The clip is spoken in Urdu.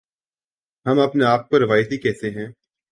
ہم اپنے آپ کو روایتی کہتے ہیں۔